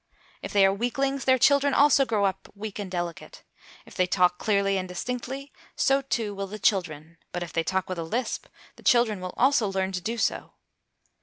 If they are weaklings, their children also grow up weak and delicate; if they talk clearly and distinctly, so too will the children; but if they talk with a lisp, the children will also learn to do so.